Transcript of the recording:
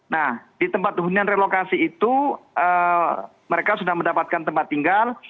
nah di tempat hunian relokasi itu mereka sudah mendapatkan tempat tinggal